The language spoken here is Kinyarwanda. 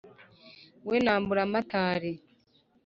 we na mburamatare;